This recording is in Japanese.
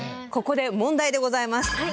ここで問題でございます。